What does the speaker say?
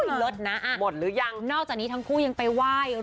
อุ๊ยเลิศนะนอกจากนี้ทั้งคู่ยังไปไหว้หมดหรือยัง